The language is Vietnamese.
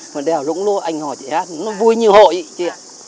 mà đèo rũng lô anh hò chị hát nó vui như hội